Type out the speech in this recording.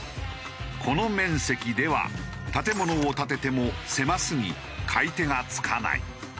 この面積では建物を建てても狭すぎ買い手がつかない。